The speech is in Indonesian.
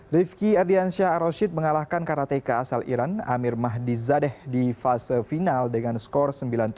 rifki ardiansyah aroshid mengalahkan karateka asal iran amir mahdi zadeh di fase final dengan skor sembilan tiga puluh